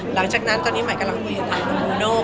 หลังจากนั้นตอนนี้ใหม่กำลังไปกระทั่ง